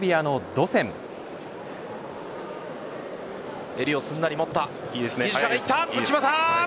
衿をすんなり持った。